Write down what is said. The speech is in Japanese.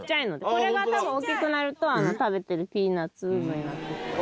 これが多分大きくなると食べてるピーナッツのように。